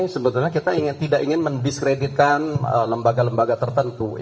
sebetulnya kita tidak ingin mendiskreditkan lembaga lembaga tertentu